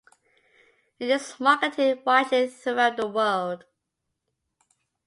It is marketed widely throughout the world.